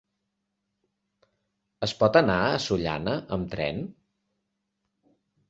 Es pot anar a Sollana amb tren?